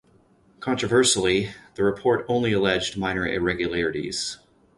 Controversially, the report only alleged minor irregularities.